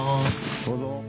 どうぞ。